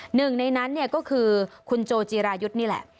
หนึ่งในนั้นก็คือคุณโจจีรายุทธ์นี่แหละ